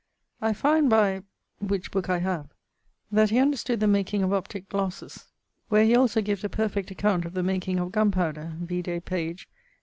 I find by ... (which booke I have) that he understood the making of optique glasses; where he also gives a perfect account of the making of gunpowder, vide pag ...